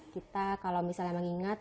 kita kalau misalnya mengingat